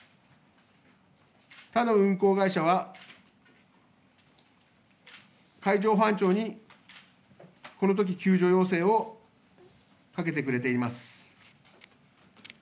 他の運航会社は、海上保安庁にこのとき救助要請をかけてくれています。